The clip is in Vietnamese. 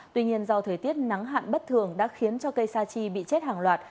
tuy nhiên do thời tiết nắng hạn bất thường đã khiến cho cây sa chi bị chết hàng loạt